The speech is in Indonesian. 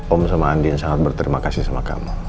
om sama andin sangat berterima kasih sama kamu